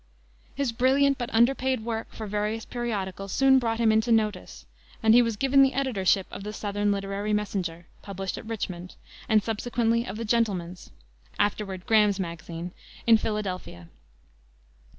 His brilliant but underpaid work for various periodicals soon brought him into notice, and he was given the editorship of the Southern Literary Messenger, published at Richmond, and subsequently of the Gentlemen's afterward Graham's Magazine in Philadelphia.